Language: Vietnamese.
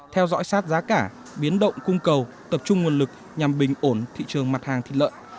theo dõi sát giá cả biến động cung cầu tập trung nguồn lực nhằm bình ổn thị trường mặt hàng thịt lợn